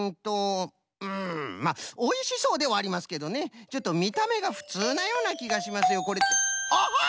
んまあおいしそうではありますけどねちょっとみためがふつうなようなきがしますよこれって。あっ！？